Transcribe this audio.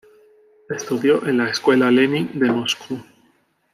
Estudió en la Escuela Lenin de Moscú.